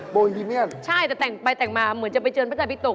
โบฮิเมียนใช่แต่ใบแต่งมาเหมือนจะไปเจอกเกี๋นปุชตบปิทบก